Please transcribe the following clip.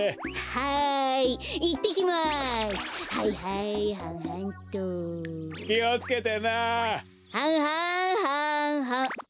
はんはんはんはん。